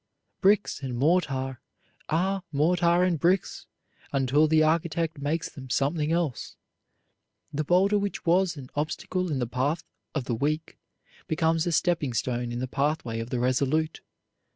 Bricks and mortar are mortar and bricks until the architect makes them something else. The boulder which was an obstacle in the path of the weak becomes a stepping stone in the pathway of the resolute.